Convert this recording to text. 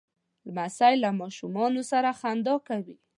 لمسی له ماشومانو سره خندا کوي.